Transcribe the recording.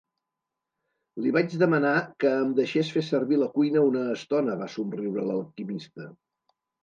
"Li vaig demanar que em deixés fer servir la cuina una estona", va somriure l'alquimista.